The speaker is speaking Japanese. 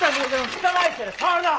汚い手で触るな！